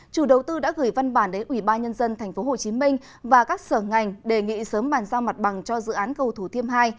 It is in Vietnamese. chủ đầu tư đã gửi văn bản đến ubnd tp hcm và các sở ngành đề nghị sớm bàn giao mặt bằng cho dự án cầu thủ thiêm hai